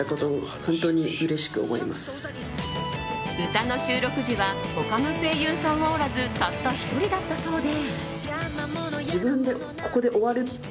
歌の収録時は他の声優さんはおらずたった１人だったそうで。